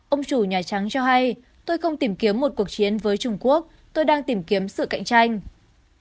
ông chủ nhà trắng cho hay tôi không tìm kiếm một cuộc chiến với trung quốc tôi đang tìm kiếm sự cạnh tranh